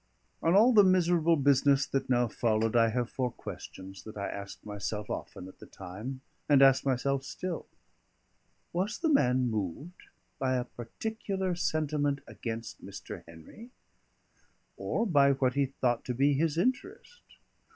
On all the miserable business that now followed, I have four questions that I asked myself often at the time, and ask myself still: Was the man moved by a particular sentiment against Mr. Henry? or by what he thought to be his interest?